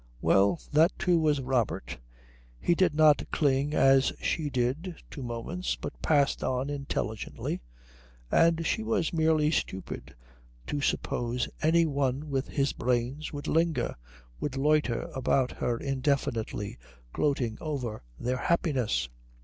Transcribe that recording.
Well, that, too, was Robert. He did not cling as she did to moments, but passed on intelligently; and she was merely stupid to suppose any one with his brains would linger, would loiter about with her indefinitely, gloating over their happiness.